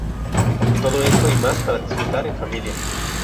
Todo esto y más para disfrutar en Familia.